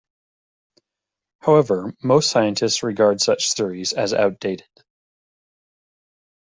However, most scientists regard such theories as outdated.